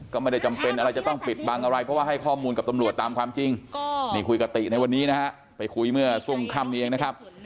ก็ไม่ได้จำเป็นอะไรจะต้องปิดบังอะไรเพราะว่าให้ข้อมูลกับตำรวจตามความจริงนี่คุยกับติในวันนี้นะฮะไปคุยเมื่อช่วงค่ำนี้เองนะครับ